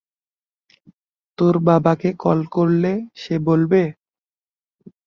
তোর বাবাকে কল করলে সে বলবে?